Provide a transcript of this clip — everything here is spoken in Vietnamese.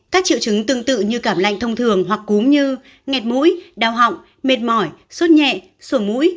các triệu trứng tương tự như cảm lạnh thông thường hoặc cúm như nghẹt mũi đau họng mệt mỏi sốt nhẹ sổ mũi